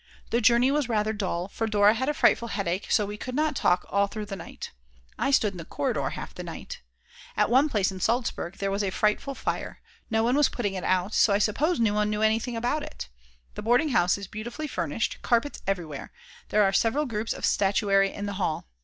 The journey was rather dull, for Dora had a frightful headache so we could not talk all through the night. I stood in the corridor half the night. At one place in Salzburg there was a frightful fire; no one was putting it out, so I suppose no one knew anything about it. The boarding house is beautifully furnished, carpets everywhere; there are several groups of statuary in the hall.